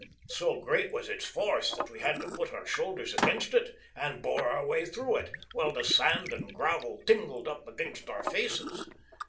So great was its force that we had to put our shoulders against it, and bore our way through it, while the sand and gravel tingled up against our faces.